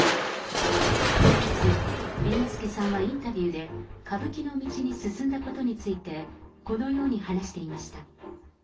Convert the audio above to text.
今月、猿之助さんはインタビューで、歌舞伎の道に進んだことについて、このように話していました。